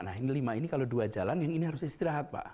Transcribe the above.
nah ini lima ini kalau dua jalan yang ini harus istirahat pak